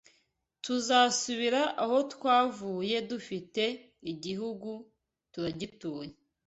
Tukazasubira aho twavuye Dufite igihugu turagituye